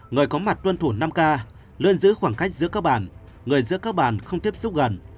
người có mặt tuân thủ năm ca luôn giữ khoảng cách giữa các bản người giữa các bản không tiếp xúc gần